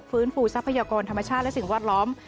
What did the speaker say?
ฟื้นฟูทรัพยากรธรรมชาติและสิ่งแวดล้อม